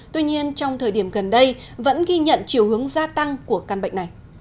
tuy nhiên trong thời điểm gần đây vẫn ghi nhận chiều hướng gia tăng của căn bệnh này